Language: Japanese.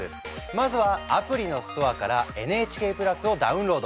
まずはアプリのストアからＮＨＫプラスをダウンロード！